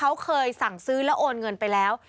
เขาเคยสั่งซื้อแล้วโอนเงินไปแล้ว